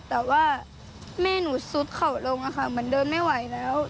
แต่ว่าแม่หนูซุดเขาลงค่ะเหมือนเดินไม่ไหวแล้ว